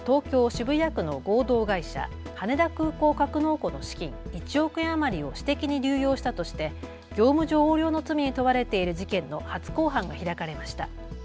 渋谷区の合同会社羽田空港格納庫の資金、１億円余りを私的に流用したとして業務上横領の罪に問われている事件の初公判が開かれました。